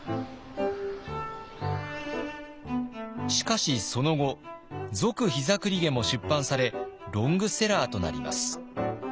しかしその後「続膝栗毛」も出版されロングセラーとなります。